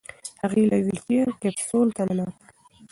هغې له ویلچیر کپسول ته ننوتله.